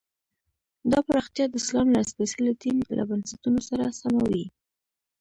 دا پراختیا د اسلام له سپېڅلي دین له بنسټونو سره سمه وي.